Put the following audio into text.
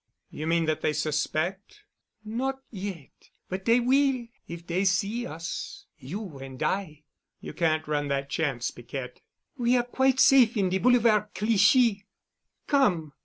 "You mean that they suspect——?" "Not yet—but dey will if dey see us—you and I——" "You can't run that chance, Piquette." "We are quite safe in de Boulevard Clichy. Come."